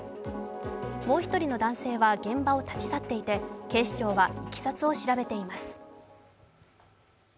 もう一人の男性は現場を立ち去っていて警視庁はいきさつを調べています。